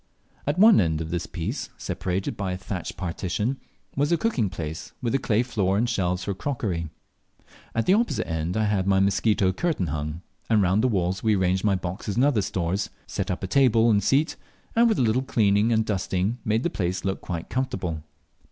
At one end of this piece, separated by a thatch partition, was a cooking place, with a clay floor and shelves for crockery. At the opposite end I had my mosquito curtain hung, and round the walls we arranged my boxes and other stores, fated up a table and seat, and with a little cleaning and dusting made the place look quite comfortable.